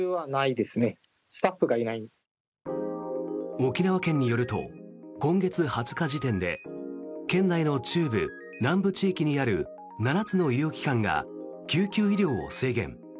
沖縄県によると今月２０日時点で県内の中部・南部地域にある７つの医療機関が救急医療を制限。